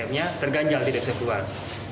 atm nya terganjal tidak bisa keluar